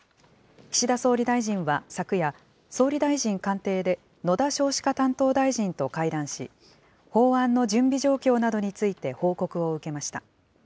岸田総理大臣は昨夜、総理大臣官邸で野田少子化担当大臣と会談し、法案の準備状況などについて報告を受けました。